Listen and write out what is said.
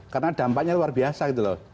karena dampaknya luar biasa gitu loh